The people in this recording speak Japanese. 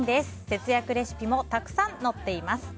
節約レシピもたくさん載っています。